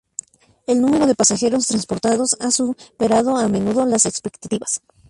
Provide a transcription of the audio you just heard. El número de pasajeros transportados ha superado a menudo las expectativas.